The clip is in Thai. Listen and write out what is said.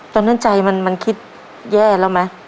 ตอนนั้นใจมันคิดแย่แล้วไหม